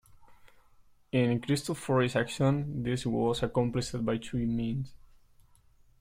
In Cristofori's action, this was accomplished by two means.